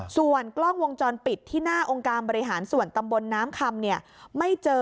ส่วนกล้องวงจรปิดที่หน้าองค์การบริหารส่วนตำบลน้ำคำเนี่ยไม่เจอ